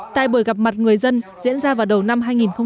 tại buổi gặp mặt người dân diễn ra vào đầu năm hai nghìn một mươi tám